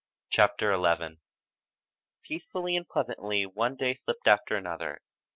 CHAPTER XI Peacefully and pleasantly one day slipped after another.